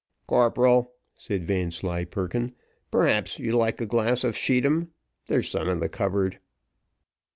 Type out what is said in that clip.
"Corporal," said Vanslyperken, "perhaps you'll like a glass of scheedam; there's some in the cupboard."